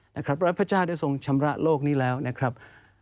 ในโลกนี้แล้วนะครับ